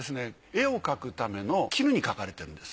絵を描くための絹に書かれているんです。